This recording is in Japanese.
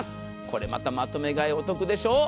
これまたまとめ買いお得でしょう。